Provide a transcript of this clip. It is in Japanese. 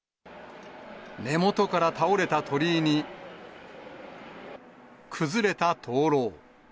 根元から倒れた鳥居に、崩れた灯籠。